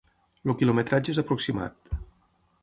El quilometratge és aproximat.